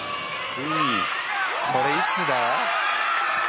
これいつだ？